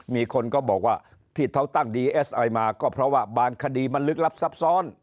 มีคนก็บอกว่าที่เขาตั้งดีเอสอะไรมาก็เพราะว่าบางคดีมันลึกลับซับซ้อน